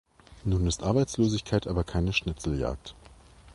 Nun ist Arbeitslosigkeit aber keine Schnitzeljagd.